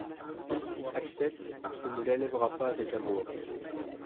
Celle-ci accepte mais ne l'élevera pas avec amour.